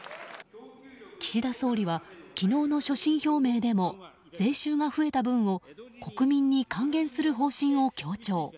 岸田総理は昨日の所信表明でも税収が増えた分を国民に還元する方針を強調。